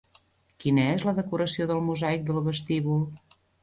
Quina és la decoració del mosaic del vestíbul?